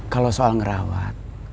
kalau soal ngerawat